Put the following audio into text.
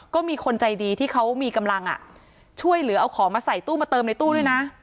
ก็มีคนใจดีที่เขามีกำลังช่วยเหลือเอาของมาใส่ตู้มาเติมในตู้ด้วยนะ